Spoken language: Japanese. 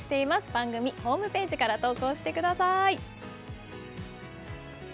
番組ホームページから投稿してください。